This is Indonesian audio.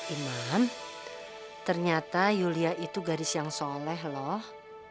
imam ternyata yulia itu garis yang soleh loh